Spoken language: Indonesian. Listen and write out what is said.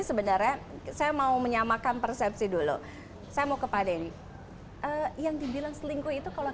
sebenarnya saya mau menyamakan persepsi dulu saya mau ke pak denny yang dibilang selingkuh itu kalau